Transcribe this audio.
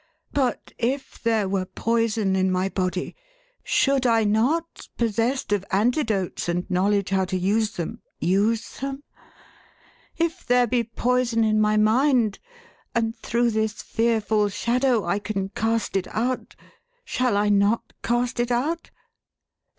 But, if there were 442 THE HAUNTED MAN. poison in my body, should I not, possessed of antidotes and knowledge how to use them, use them ? If there be poison in my mind, and through this fearful shadow I can cast it out, shall I not cast it out?"